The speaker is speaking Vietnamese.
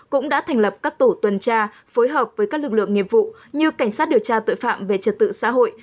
cũng đã thành lập các tổ tuần tra phối hợp với các lực lượng nghiệp vụ như cảnh sát điều tra tội phạm về trật tự xã hội